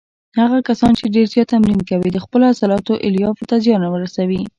هغه کسان چې ډېر زیات تمرین کوي د خپلو عضلاتو الیافو ته زیان ورسوي.